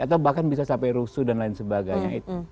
atau bahkan bisa sampai rusuh dan lain sebagainya